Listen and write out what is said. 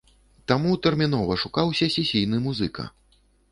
Таму тэрмінова шукаўся сесійны музыка.